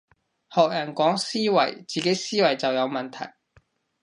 學人講思維，自己思維就有問題